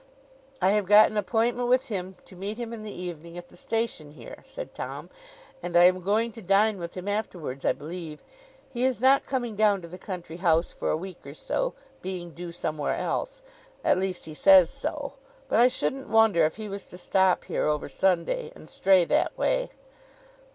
'I have got an appointment with him to meet him in the evening at the station here,' said Tom, 'and I am going to dine with him afterwards, I believe. He is not coming down to the country house for a week or so, being due somewhere else. At least, he says so; but I shouldn't wonder if he was to stop here over Sunday, and stray that way.